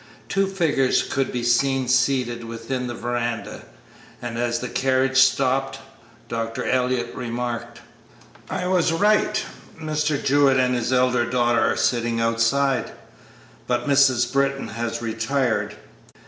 Two figures could be seen seated within the veranda, and as the carriage stopped Dr. Elliott remarked, "I was right; Mr. Jewett and his elder daughter are sitting outside, but Mrs. Britton has retired."